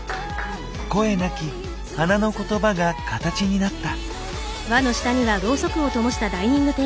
声なき花の言葉がカタチになった。